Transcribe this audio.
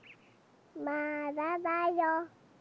まだだよ！